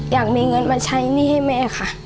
อยากมีเงินมาใช้หนี้ให้แม่ค่ะ